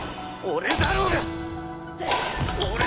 俺だろうが！！